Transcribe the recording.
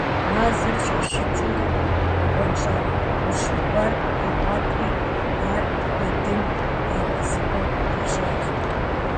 Мэзыр щӀащыкӀыурэ, бгъуэнщӀагъ гъущэ гуэр къагъуэтри ар Бэдын егъэзыпӀэ хуищӀащ.